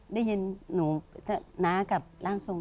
ได้ยินหนูน้ากับร่างทรง